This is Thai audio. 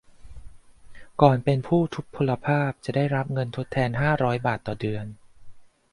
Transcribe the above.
ก่อนเป็นผู้ทุพพลภาพ จะได้รับเงินทดแทน ห้าร้อย บาทเดือน